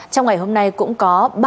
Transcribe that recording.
trong ngày hôm nay cũng có